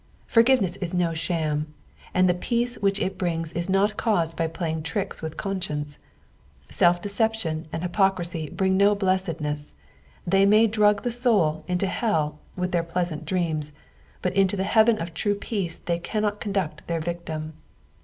Forgiveness is no sham, and the Seace which it brings is not caused by playing tricks with conscience. Self eception and hypocrisy bring no blessedness, they msy drug the soul into hetl with pleasant dreams, but into the heaven of true peace they cannot con duct their victim.